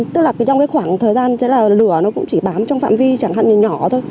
tức là trong cái khoảng thời gian lửa nó cũng chỉ bám trong phạm vi chẳng hạn nhỏ thôi